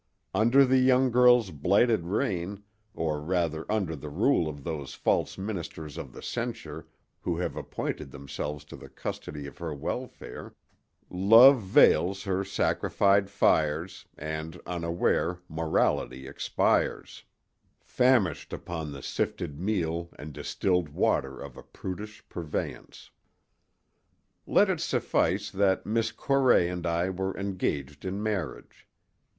Under the Young Girl's blighting reign—or rather under the rule of those false Ministers of the Censure who have appointed themselves to the custody of her welfare—love veils her sacred fires, And, unaware, Morality expires, famished upon the sifted meal and distilled water of a prudish purveyance. Let it suffice that Miss Corray and I were engaged in marriage.